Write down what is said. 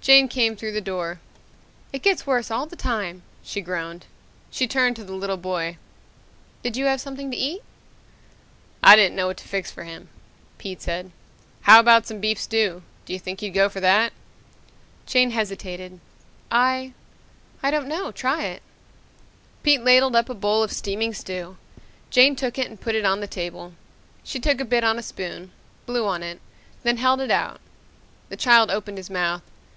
Jane came through the door. "It gets worse all the time," she groaned. She turned to the little boy. "Did you have something to eat?" "I didn't know what to fix for him," Pete said. "How about some beef stew? Do you think he'd go for that?" Jane hesitated. "I I don't know. Try it." Pete ladled up a bowl of steaming stew. Jane took it and put it on the table. She took a bit on a spoon, blew on it, then held it out. The child opened his mouth.